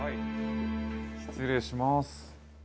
失礼します。